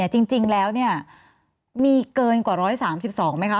จริงแล้วมีเกินกว่า๑๓๒ไหมคะ